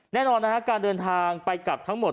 แน่นอนนะฮะการเดินทางไปกลับทั้งหมด